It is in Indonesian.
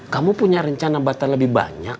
kamu punya rencana batal lebih banyak